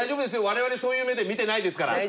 我々そういう目で見てないですから。